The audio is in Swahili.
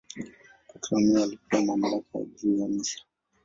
Ptolemaio alipewa mamlaka juu ya Misri.